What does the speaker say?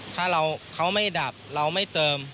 ถ้าเราร้องทำไม่ดับเราไม่เติม